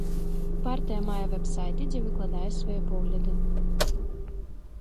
Партыя мае вэб-сайт, дзе выкладае свае погляды.